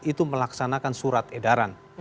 itu melaksanakan surat edaran